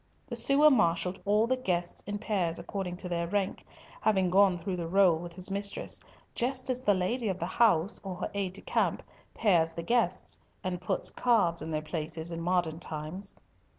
The sewer marshalled all the guests in pairs according to their rank, having gone through the roll with his mistress, just as the lady of the house or her aide de camp pairs the guests and puts cards in their plates in modern times.